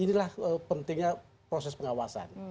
itu adalah pentingnya proses pengawasan